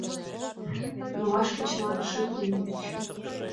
Но вашке чылан шып лийыч.